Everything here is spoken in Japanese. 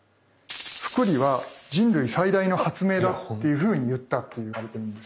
「複利は人類最大の発明だ」っていうふうに言ったって言われてるんですよね。